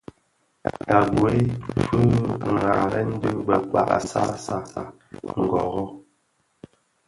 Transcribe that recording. A gwei fyi dharen dhi bekpag Bassassa ngõrrõ .